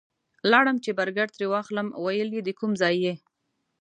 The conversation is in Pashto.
لاړم چې برګر ترې واخلم ویل یې د کوم ځای یې؟